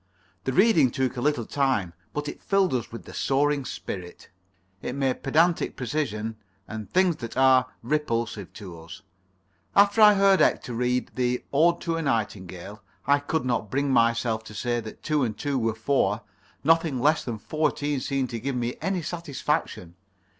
The reading took a little time, but it filled us with the soaring spirit. It made pedantic precision and things that are repulsive to us. After I heard Hector read the "Ode to a Nightingale" I could not bring myself to say that two and two were four; nothing less than fourteen seemed to give me any satisfaction.